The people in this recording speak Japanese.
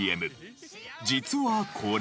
実はこれ。